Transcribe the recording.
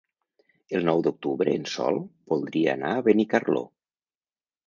El nou d'octubre en Sol voldria anar a Benicarló.